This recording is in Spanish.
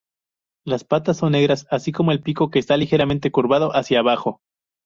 Las patas son negras así como el pico que está ligeramente curvado hacia abajo.